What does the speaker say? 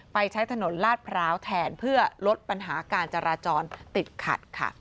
ใช้ถนนลาดพร้าวแทนเพื่อลดปัญหาการจราจรติดขัดค่ะ